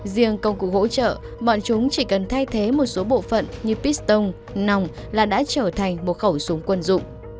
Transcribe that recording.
riêng công cụ hỗ trợ bọn chúng chỉ cần thay thế một số bộ phận như piston nòng là đã trở thành một khẩu súng quân dụng